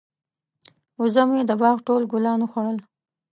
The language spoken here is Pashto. وزه مې د باغ ټول ګلان وخوړل.